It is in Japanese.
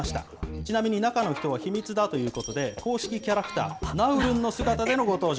ちなみに中の人は秘密だということで、公式キャラクター、ナウルんの姿でのご登場。